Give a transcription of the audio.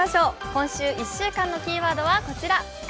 今週１週間のキーワードはこちら。